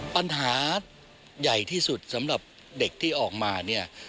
ปัญหาใหญ่ที่สุดสำหรับเด็กที่ออกมาเนี่ย